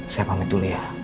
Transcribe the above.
saya pamit dulu ya